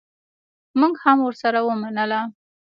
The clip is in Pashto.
مونږ هم ورسره ومنله.